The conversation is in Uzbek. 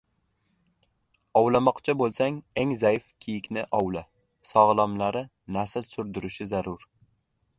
• Ovlamoqchi bo‘lsang eng zaif kiyikni ovla. Sog‘lomlari nasl surdirishi zarur.